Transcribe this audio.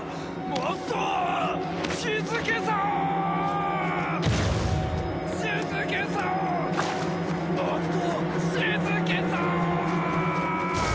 もっと静けさを！